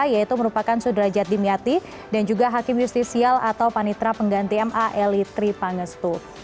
yaitu merupakan sudrajat dimyati dan juga hakim justisial atau panitra pengganti ma eli tri pangestu